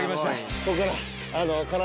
ここから。